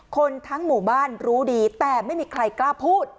คนทั้งหมู่บ้านรู้ดีแต่ไม่มีใครกล้าพูด